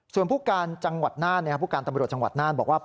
ส่วนผู้การจังหวัดน่านผู้การตำรวจจังหวัดน่านบอกว่า